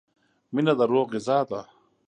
• مینه د روح غذا ده.